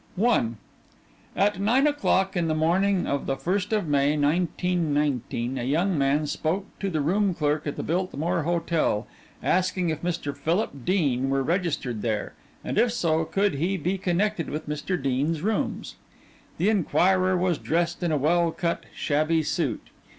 I At nine o'clock on the morning of the first of May, 1919, a young man spoke to the room clerk at the Biltmore Hotel, asking if Mr. Philip Dean were registered there, and if so, could he be connected with Mr. Dean's rooms. The inquirer was dressed in a well cut, shabby suit.